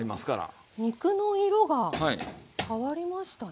肉の色が変わりましたね。